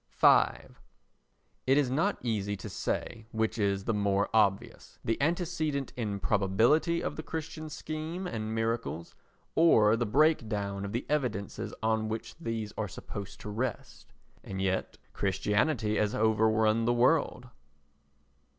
v It is not easy to say which is the more obvious, the antecedent improbability of the Christian scheme and miracles, or the breakdown of the evidences on which these are supposed to rest. And yet Christianity has overrun the world.